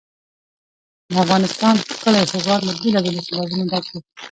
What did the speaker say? د افغانستان ښکلی هېواد له بېلابېلو سیلابونو ډک دی.